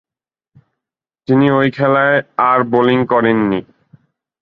তিনি ঐ খেলায় আর বোলিং করেননি।